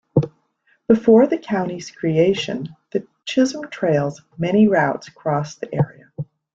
Before the county's creation, The Chisholm Trail's many routes crossed the area.